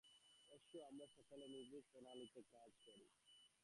S, আমরা সকলে নিজ নিজ প্রণালীতে কাজ করি।